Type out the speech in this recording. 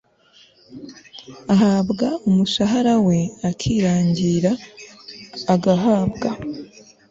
ahabwa umushahara we akirangira agahabwa